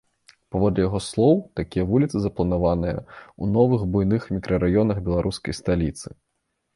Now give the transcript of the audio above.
Паводле яго слоў, такія вуліцы запланаваны ў новых буйных мікрараёнах беларускай сталіцы.